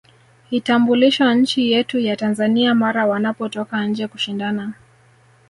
Hitambulisha nchi yetu ya Tanzania mara wanapotoka nje kushindana